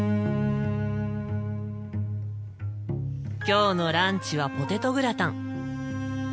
今日のランチはポテトグラタン。